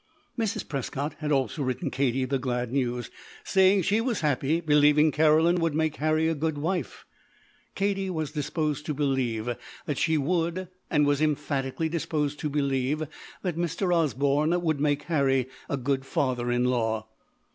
Mrs. Prescott had also written Katie the glad news, saying she was happy, believing Caroline would make Harry a good wife. Katie was disposed to believe that she would and was emphatically disposed to believe that Mr. Osborne would make Harry a good father in law.